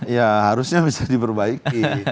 ya harusnya bisa diperbaiki